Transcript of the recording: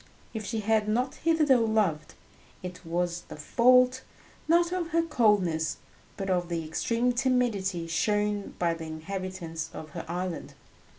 If she had not hitherto loved, it was the fault, not of her coldness but of the extreme timidity shown by the inhabitants of her island.